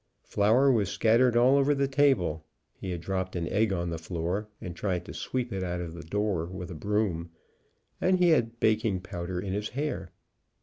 Flour was scattered all over the table, he had dropped an egg on the floor and tried to sweep it out of doors with a broom, and he had baking powder in his hair.